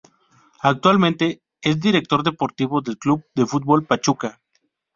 Actualmente es director deportivo del Club de Fútbol Pachuca.